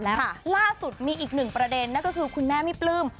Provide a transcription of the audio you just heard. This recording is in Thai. แล้วล่าสุดมีอีกหนึ่งประเด็นนั่นก็คือคุณแม่ไม่ปลื้ม